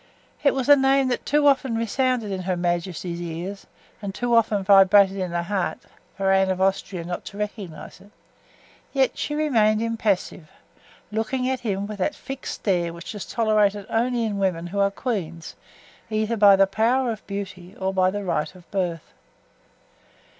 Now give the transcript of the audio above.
It was a name that too often resounded in her majesty's ears and too often vibrated in her heart for Anne of Austria not to recognize it; yet she remained impassive, looking at him with that fixed stare which is tolerated only in women who are queens, either by the power of beauty or by the right of birth.